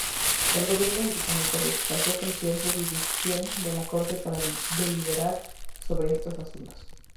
El gobierno británico rechazó cualquier jurisdicción de la corte para deliberar sobre estos asuntos.